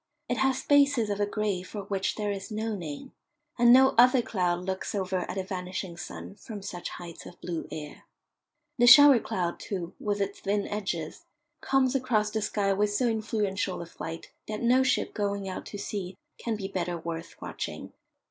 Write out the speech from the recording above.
It has spaces of a grey for which there is no name, and no other cloud looks over at a vanishing sun from such heights of blue air. The shower cloud, too, with its thin edges, comes across the sky with so influential a flight that no ship going out to sea can be better worth watching.